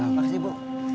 apa sih bu